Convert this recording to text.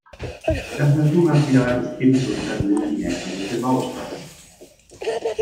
Das Naturmaterial ist ebenso stabil wie herkömmliche Baustoffe.